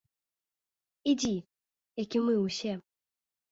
- Ідзі, як і мы ўсе